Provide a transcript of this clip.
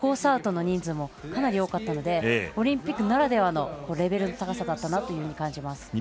アウトの人数もかなり多かったのでオリンピックならではのレベルの高さかなというふうに感じます。